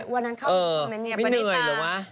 ไม่เหนื่อยหรอว่า